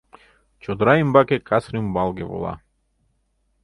Чодыра ӱмбаке кас рӱмбалге вола.